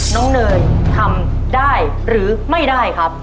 เนยทำได้หรือไม่ได้ครับ